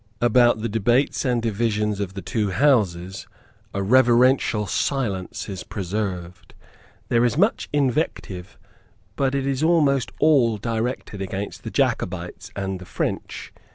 About the debates and divisions of the two Houses a reverential silence is preserved. There is much invective; but it is almost all directed against the Jacobites and the French.